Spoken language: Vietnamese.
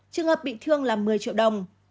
trường hợp bị thương là một mươi triệu đồng